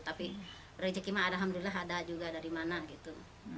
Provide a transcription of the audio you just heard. tapi rezeki mah alhamdulillah ada juga dari mana gitu